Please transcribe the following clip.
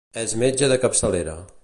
És metge de capçalera.